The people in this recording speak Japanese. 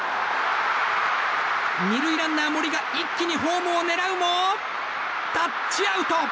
２塁ランナー、森が一気にホームを狙うもタッチアウト！